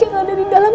yang ada di dalam